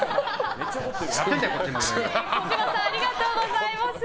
児嶋さんありがとうございます。